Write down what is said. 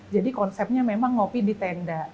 jadi konsepnya memang ngopi di tenda